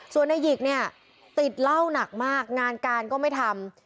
ส่วนนายหยิกเนี่ยติดเหล้าหนักมากงานการก็ไม่ทำ